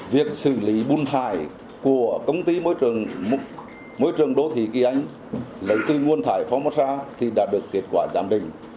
việc xử lý bùn thải của công ty môi trường đô thị kỳ anh lấy từ nguồn thải phô mô sa thì đã được kết quả giảm đình